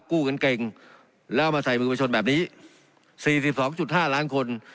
กู้กันเก่งแล้วมาใส่มือประชุนแบบนี้สี่สิบสองจุดห้าล้านคน